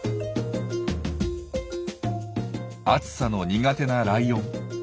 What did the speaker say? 暑さの苦手なライオン。